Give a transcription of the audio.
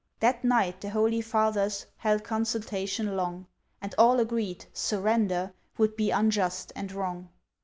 That night the holy Fathers Held consultation long, And all agreed—Surrender Would be unjust and wrong.